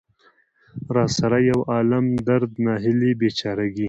را سره يو عالم درد، ناهيلۍ ،بېچاره ګۍ.